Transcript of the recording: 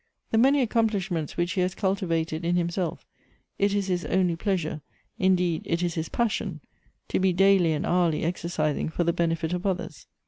The many accomplishments which he has cultivated in himself, it is his only pleasure — in deed, it is his passion — to be daily and hourly exercising for the benefit of others.